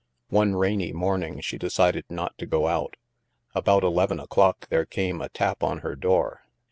One rainy morning she decided not to go out. About eleven o'clock there came a tap on her door.